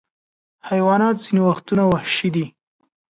حیوانات ځینې وختونه وحشي دي.